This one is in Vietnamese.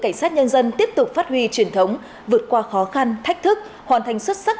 cảnh sát nhân dân tiếp tục phát huy truyền thống vượt qua khó khăn thách thức hoàn thành xuất sắc